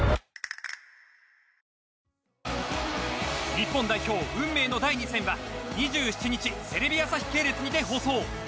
日本代表運命の第２戦は２７日テレビ朝日系列にて放送。